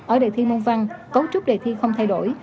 ở đề thi môn văn cấu trúc đề thi không thay đổi